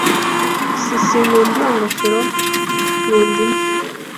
S Sinkunda iyi ngofero. Nkunda imvi.